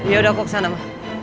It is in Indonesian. yaudah aku kesana ma